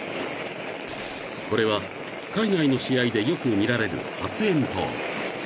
［これは海外の試合でよく見られる］